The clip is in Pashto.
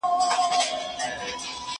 لا پخپله هم د بار په منځ کي سپور وو